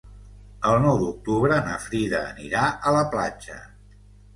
El nou d'octubre na Frida anirà a la platja.